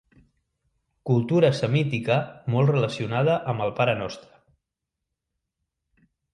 Cultura semítica molt relacionada amb el parenostre.